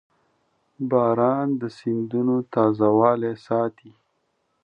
• باران د سیندونو تازهوالی ساتي.